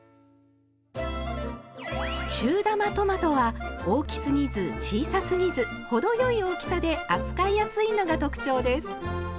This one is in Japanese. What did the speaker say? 中玉トマトは大きすぎず小さすぎず程よい大きさで扱いやすいのが特徴です。